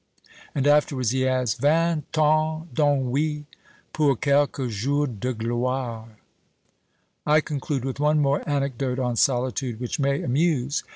And afterwards he adds, Vingt ans d'ennuis, pour quelques jours de gloire! I conclude with one more anecdote on solitude, which may amuse.